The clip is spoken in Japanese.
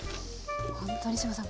本当に志麻さん